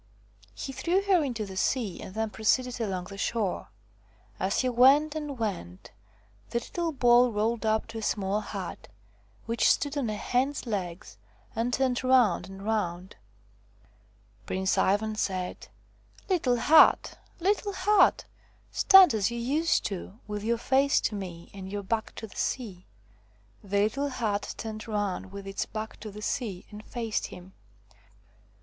He threw her into the sea and then proceeded along the shore. As he went and went, the little ball rolled up to a small hut which stood on a hen's legs and turned round and round. THE FROG QUEEN 125 Prince Ivan said :' Little hut! little hut! stand as you used to with your face to me and your back to the sea." The little hut turned round with its back to the sea and faced him.